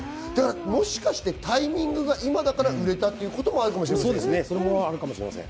タイミングは今だから売れたということもあるかもしれません。